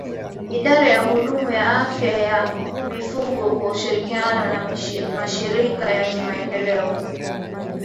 Idara ya Huduma ya Afya ya Mifugo kwa ushirikiano na mashirika ya kimaendeleo